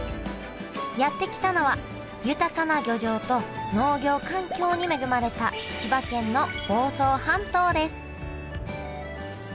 やって来たのは豊かな漁場と農業環境に恵まれた千葉県の房総半島です